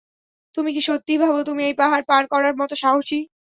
তুমি কি সত্যিই ভাবো, তুমি এই পাহাড় পার করার মতো সাহসী?